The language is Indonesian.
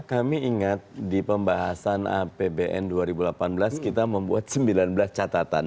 kami ingat di pembahasan apbn dua ribu delapan belas kita membuat sembilan belas catatan